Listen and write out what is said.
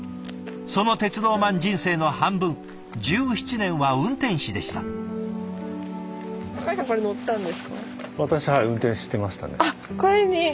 その鉄道マン人生の半分１７年は運転士でした。